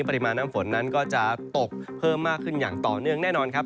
ปริมาณน้ำฝนนั้นก็จะตกเพิ่มมากขึ้นอย่างต่อเนื่องแน่นอนครับ